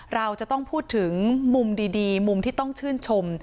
เราจะต้องพูดถึงมุมดีมุมที่ต้องชื่นชม